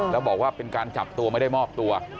แล้วบอกว่าเป็นการจับตัวไม่ได้มอบตัว